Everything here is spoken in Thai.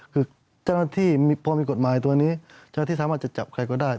คือเจ้าหน้าที่พอมีกฎหมายตัวนี้เจ้าหน้าที่สามารถจะจับใครก็ได้